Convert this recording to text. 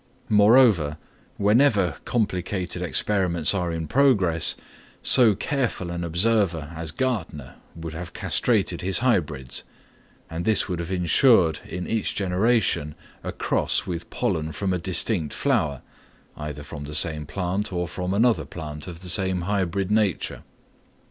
Moreover, whenever complicated experiments are in progress, so careful an observer as Gärtner would have castrated his hybrids, and this would have insured in each generation a cross with pollen from a distinct flower, either from the same plant or from another plant of the same hybrid nature.